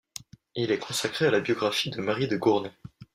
Il est consacré à la biographie de Marie de Gournay.